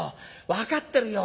分かってるよ。